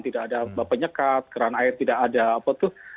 tidak ada penyekat keran air tidak ada apa tuh